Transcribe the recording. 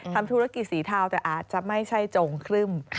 ทำธุรกิจสีเทาแต่อาจจะไม่ใช่โจงครึ่ม